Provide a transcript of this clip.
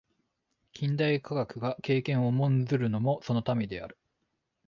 近代科学が経験を重んずるのもそのためである。